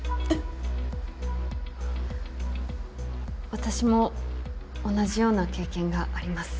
私も同じような経験があります。